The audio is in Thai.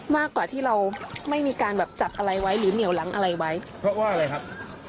มากกว่าที่เราไม่มีการแบบจับอะไรไว้หรือเหนียวหลังอะไรไว้เพราะว่าอะไรครับ